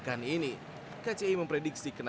dan ini kelihatan memang ada peningkatan